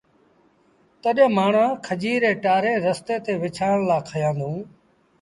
تڏهيݩٚ مآڻهآنٚ کجيٚ رينٚ ٽآرينٚ رستي تي وڇآڻ لآ کيآندوݩ